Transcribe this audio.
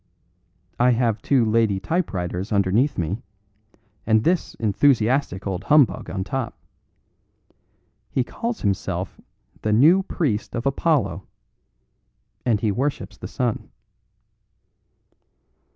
I have two lady typewriters underneath me, and this enthusiastic old humbug on top. He calls himself the New Priest of Apollo, and he worships the sun."